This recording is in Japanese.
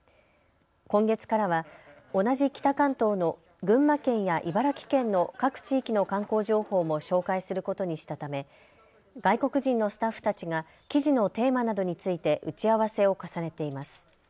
今月からは同じ北関東の群馬県や茨城県の各地域の観光情報も紹介することにしたため外国人のスタッフたちが記事のテーマなどについて打ち合わせを重ねています。